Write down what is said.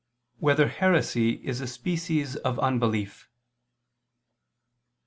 1] Whether Heresy Is a Species of Unbelief?